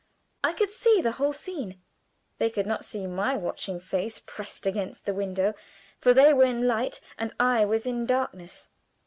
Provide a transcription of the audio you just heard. I could see the whole scene. They could not see my watching face pressed against the window, for they were in light and I was in darkness.